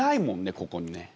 ここにね。